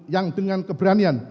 yang dengan keberanian